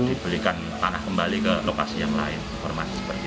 untuk dibelikan tanah kembali ke lokasi yang lain